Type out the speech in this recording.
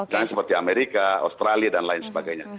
jangan seperti amerika australia dan lain sebagainya